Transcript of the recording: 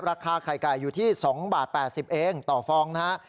ราคาไข่ไก่อยู่ที่๒บาท๘๐เองต่อฟองนะฮะ